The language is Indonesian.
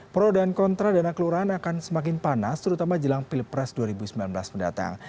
pro dan kontra dana kelurahan akan semakin panas terutama jelang pilpres dua ribu sembilan belas mendatang